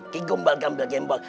kegombal gambel gembok